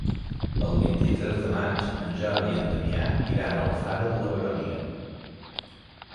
El vint-i-tres de maig en Jordi i en Damià iran a Alfara de la Baronia.